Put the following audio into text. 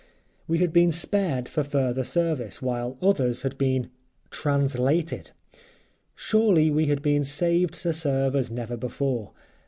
We had been spared for further service, while others had been TRANSLATED. Surely we had been saved to serve as never before.